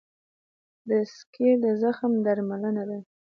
د سکېر د زخم درملنه ده.